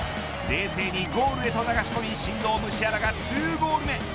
冷静にゴールへと流し込み神童ムシアラが２ゴール目。